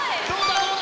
どうだ？